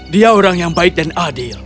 dia orang yang baik dan adil